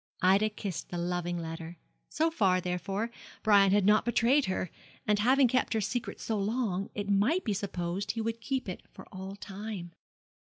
Ida kissed the loving letter. So far, therefore, Brian had not betrayed her; and, having kept her secret so long, it might be supposed he would keep it for all time.